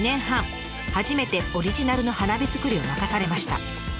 初めてオリジナルの花火作りを任されました。